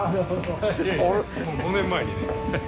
ええもう５年前にね。